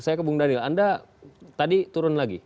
saya ke bung daniel anda tadi turun lagi